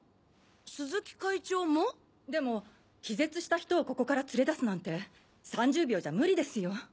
でも気絶した人をここから連れ出すなんて３０秒じゃ無理ですよ。